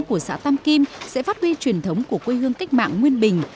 của xã tam kim sẽ phát huy truyền thống của quê hương cách mạng nguyên bình